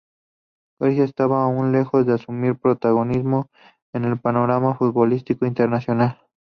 Grecia estaba aún lejos de asumir protagonismo en el panorama futbolístico internacional.